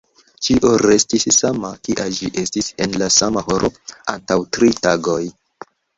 Ĉio restis sama, kia ĝi estis en la sama horo antaŭ tri tagoj.